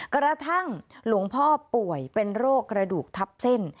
กระทั่งหลวงพ่อป่วยเป็นโรคกระดูกทับเส้น